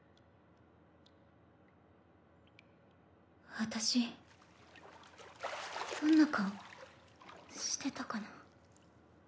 私どんな顔してたかな。